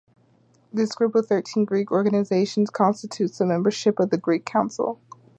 This group of thirteen Greek organizations constitutes the membership of the Greek Council.